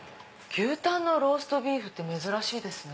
牛たんのローストビーフ珍しいですね。